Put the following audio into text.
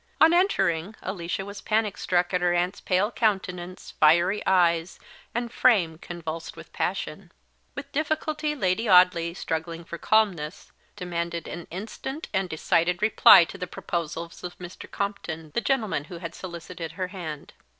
On entering, Alicia was panic struck at her aunt's pale countenance, fiery eyes, and frame convulsed with passion. With difficulty Lady Audley, struggling for calmness, demanded an instant and decided reply to the proposals of Mr. Compton, the gentleman who had solicited her hand.